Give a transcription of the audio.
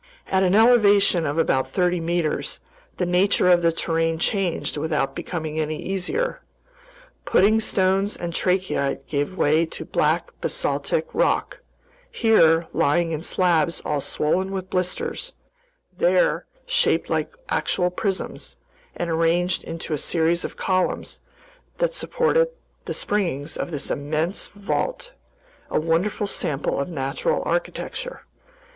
At an elevation of about thirty meters, the nature of the terrain changed without becoming any easier. Pudding stones and trachyte gave way to black basaltic rock: here, lying in slabs all swollen with blisters; there, shaped like actual prisms and arranged into a series of columns that supported the springings of this immense vault, a wonderful sample of natural architecture.